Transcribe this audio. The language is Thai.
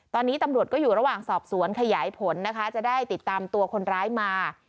ตอนนี้ตำรวจก็อยู่ระหว่างสอบสวนขยายผลนะคะจะได้ติดตามตัวคนร้ายมา